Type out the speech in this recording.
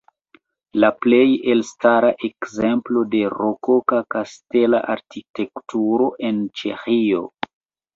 La plej elstara ekzemplo de rokoka kastela arkitekturo en Ĉeĥio.